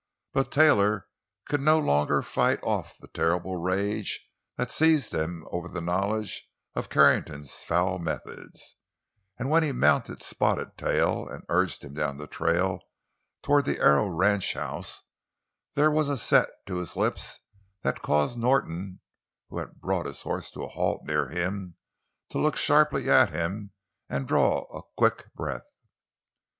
But Taylor could no longer fight off the terrible rage that had seized him over the knowledge of Carrington's foul methods, and when he mounted Spotted Tail and urged him down the trail toward the Arrow ranchhouse, there was a set to his lips that caused Norton, who had brought his horse to a halt near him, to look sharply at him and draw a quick breath.